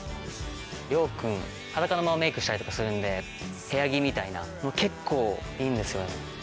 諒君裸のままメイクしたりとかするんで部屋着みたいなの結構いいんですよね。